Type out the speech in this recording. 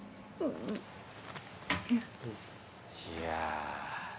いや。